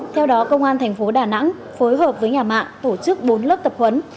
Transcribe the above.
theo đó công an tp đà nẵng phối hợp với nhà mạng tổ chức bốn lớp tập huấn